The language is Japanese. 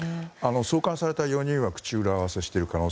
送還された４人は口裏合わせしている可能性